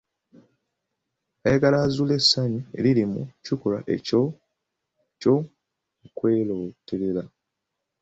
Ayagala azuule essanyu eriri mu kikolwa ekyo eky'okwerooterera.